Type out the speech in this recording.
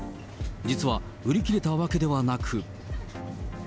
実は売り切れたわけではなく。